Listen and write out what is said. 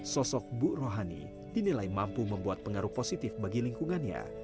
sosok bu rohani dinilai mampu membuat pengaruh positif bagi lingkungannya